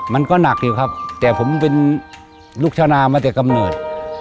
มันก็หนักอยู่ครับแต่ผมเป็นลูกชาวนามาแต่กำเนิด